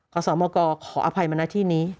ขอสอบมากรขออภัยมาหน้าที่นี้